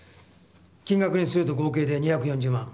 金額にすると合計で２４０万。